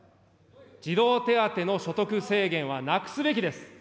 児童手当の所得制限はなくすべきです。